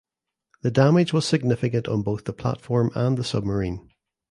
The damage was significant on both the platform and the submarine.